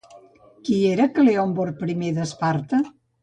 Qui era Cleòmbrot I d'Esparta?